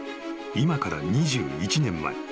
［今から２１年前。